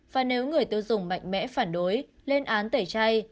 và nếu người tiêu dùng mạnh mẽ phản đối lên án tẩy chay